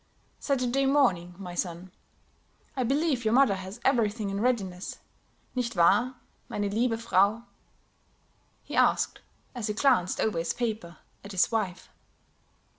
"Saturday morning, my son. I believe your mother has everything in readiness, nicht war, meine liebe Frau?" he asked, as he glanced over his paper at his wife.